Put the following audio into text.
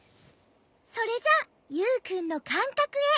それじゃユウくんのかんかくへ。